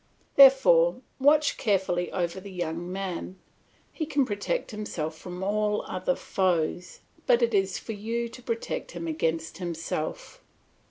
Therefore, watch carefully over the young man; he can protect himself from all other foes, but it is for you to protect him against himself.